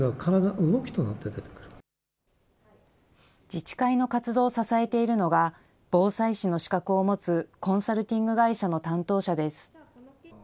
自治会の活動を支えているのが、防災士の資格を持つ、コンサルティング会社の担当者です。